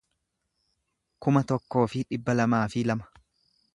kuma tokkoo fi dhibba lamaa fi lama